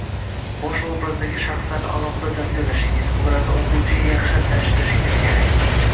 Bosh obrazdagi shaxslarni alohida tasvirlashingiz, ularni o’quvchiga yaxshilab tanishtirishingiz kerak